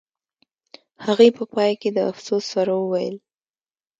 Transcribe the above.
هغې په پای کې د افسوس سره وویل